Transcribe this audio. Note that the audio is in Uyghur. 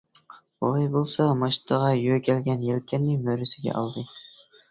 بوۋاي بولسا ماچتىغا يۆگەلگەن يەلكەننى مۈرىسىگە ئالدى.